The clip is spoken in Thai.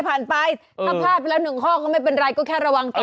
ถ้าพลาดไปไปแล้วหนึ่งข้อก็ไม่เป็นไรก็เดี๋ยวจะระวังต่อไป